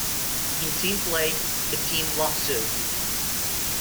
In team play, a Team Lottso!